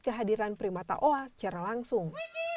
kehadiran primata oa secara langsung